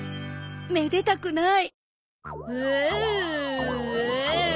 めでたくない。